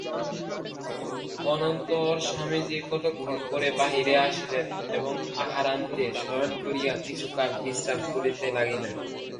অনন্তর স্বামীজী কতক্ষণ পরে বাহিরে আসিলেন এবং আহারান্তে শয়ন করিয়া কিছুকাল বিশ্রাম করিতে লাগিলেন।